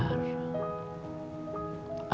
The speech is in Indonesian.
ada di hatiku